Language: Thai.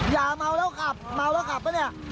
อย่าเมาแล้วขับเมาแล้วขับปะเนี่ย